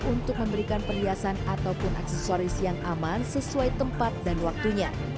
untuk memberikan perhiasan ataupun aksesoris yang aman sesuai tempat dan waktunya